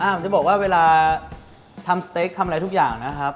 ผมจะบอกว่าเวลาทำสเต็กทำอะไรทุกอย่างนะครับ